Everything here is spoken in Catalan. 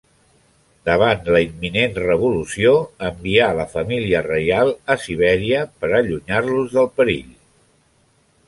Davant la imminent revolució, envià la família reial a Sibèria per a allunyar-los del perill.